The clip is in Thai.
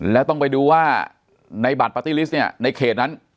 แล้วต้องไปดูว่าในบัตรปาร์ตี้ลิสต์เนี่ยในเขตนั้น